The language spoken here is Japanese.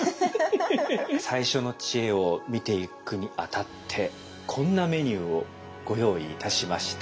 最初の知恵を見ていくにあたってこんなメニューをご用意いたしました。